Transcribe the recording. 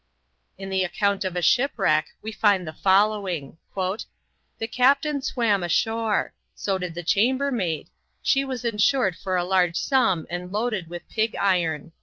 In the account of a shipwreck we find the following: "The captain swam ashore. So did the chambermaid; she was insured for a large sum and loaded with pig iron."